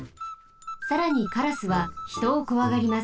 さらにカラスはひとをこわがります。